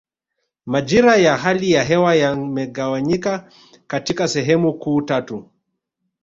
Majira ya hali ya hewa yamegawanyika katika sehemu kuu tatu